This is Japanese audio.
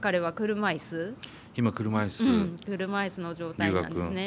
車いすの状態なんですね。